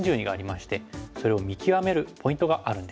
それを見極めるポイントがあるんです。